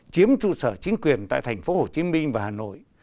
chiếm trụ sở chính quyền tại tp hcm và hà nội